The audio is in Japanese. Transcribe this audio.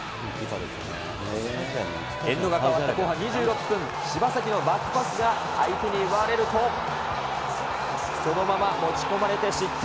エンドが変わった後半２６分、柴崎のバックパスが相手に奪われると、そのまま持ち込まれて失点。